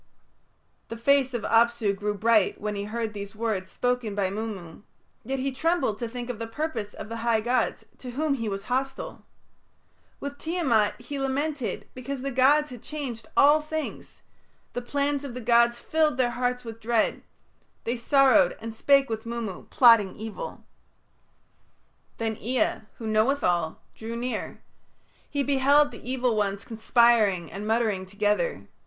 The face of Apsu grew bright when he heard these words spoken by Mummu, yet he trembled to think of the purpose of the high gods, to whom he was hostile. With Tiamat he lamented because the gods had changed all things; the plans of the gods filled their hearts with dread; they sorrowed and spake with Mummu, plotting evil. Then Ea, who knoweth all, drew near; he beheld the evil ones conspiring and muttering together.